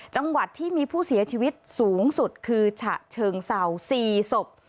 จังหวัดที่มีผู้เสียชีวิตสูงสุดคือฉะเชิงเศร้า๔ศพ